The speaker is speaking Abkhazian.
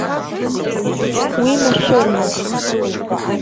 Уи машәырмызт.